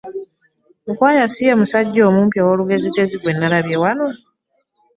Mukwaya si ye musajja omumpi ow'olugezigezi gwe nalabye wano?